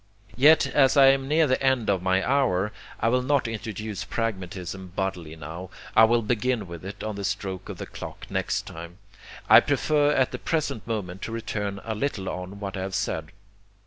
Yet, as I am near the end of my hour, I will not introduce pragmatism bodily now. I will begin with it on the stroke of the clock next time. I prefer at the present moment to return a little on what I have said.